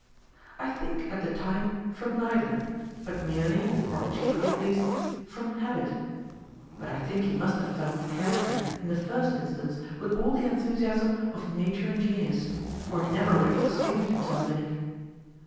I think at the time from neither ; but merely (or chiefly at least) from habit. But I think he must have felt the character in the first instance with all the enthusiasm of nature and genius, or he never would have distinguished himself in it.